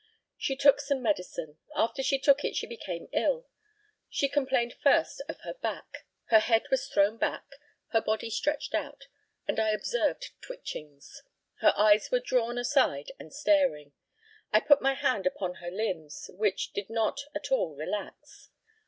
She took some medicine. After she took it she became ill. She complained first of her back. Her head was thrown back, her body stretched out, and I observed twichings. Her eyes were drawn aside and staring. I put my hand upon her limbs, which did not at all relax.